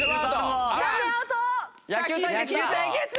野球対決だ！